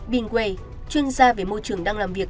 bing wei chuyên gia về môi trường đang làm việc